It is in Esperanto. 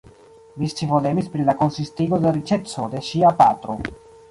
Mi scivolemis pri la konsistigo de la riĉeco de ŝia patro.